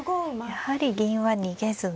やはり銀は逃げずに。